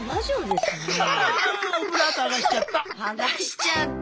剥がしちゃった。